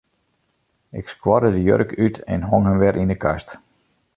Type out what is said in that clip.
Ik skuorde de jurk út en hong him wer yn 'e kast.